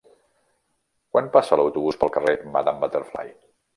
Quan passa l'autobús pel carrer Madame Butterfly?